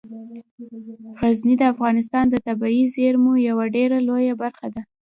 غزني د افغانستان د طبیعي زیرمو یوه ډیره لویه برخه ده.